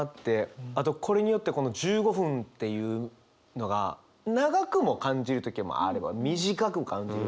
あとこれによってこの１５分っていうのが長くも感じる時もあれば短く感じる時もある。